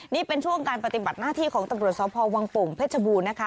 นี่เป็นช่วงการปฏิบัติหน้าที่ของตำรวจสพวังโป่งเพชรบูรณ์นะคะ